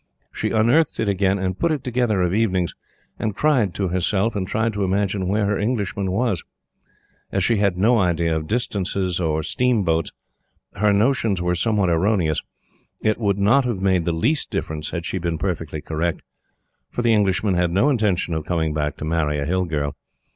She unearthed it again, and put it together of evenings, and cried to herself, and tried to imagine where her Englishman was. As she had no ideas of distance or steamboats, her notions were somewhat erroneous. It would not have made the least difference had she been perfectly correct; for the Englishman had no intention of coming back to marry a Hill girl.